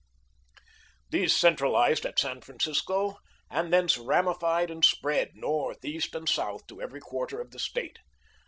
These centralised at San Francisco and thence ramified and spread north, east, and south, to every quarter of the State.